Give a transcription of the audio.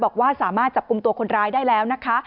บอกว่าสามารถจับกลุ่มตัวคนร้ายได้แล้วนะคะ